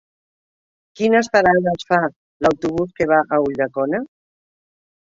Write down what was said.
Quines parades fa l'autobús que va a Ulldecona?